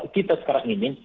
kita sekarang ini